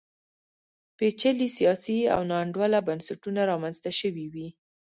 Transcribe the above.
پېچلي سیاسي او ناانډوله بنسټونه رامنځته شوي وي.